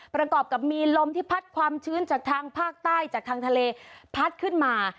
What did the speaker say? ประกอบกับมีลมที่พัดความชื้นจากทางภาคใต้จากทางทะเลพัดขึ้นมา